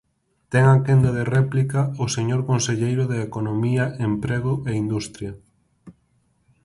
Ten a quenda de réplica o señor conselleiro de Economía, Emprego e Industria.